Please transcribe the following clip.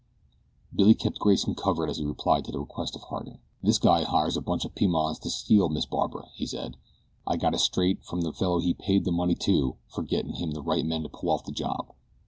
Billy kept Grayson covered as he replied to the request of Harding. "This guy hires a bunch of Pimans to steal Miss Barbara," he said. "I got it straight from the fellow he paid the money to for gettin' him the right men to pull off the job.